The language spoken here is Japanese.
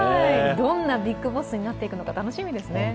どんなビッグボスになっていくのか楽しみですね。